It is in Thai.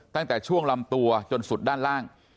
ตั้งแต่ช่วงลำตัวจนสุดด้านล่าง